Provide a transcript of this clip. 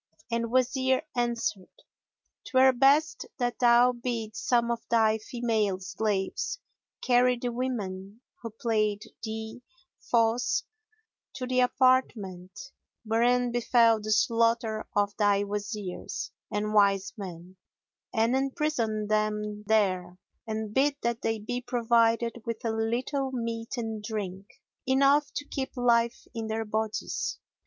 and the Wazir answered, "'Twere best that thou bid some of thy female slaves carry the women who played thee false to the apartment, wherein befel the slaughter of thy Wazirs and wise men and imprison them there; and bid that they be provided with a little meat and drink, enough to keep life in their bodies.